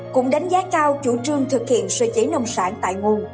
cũng đánh giá cao chủ trương thực hiện sơ chế nông sản tại nguồn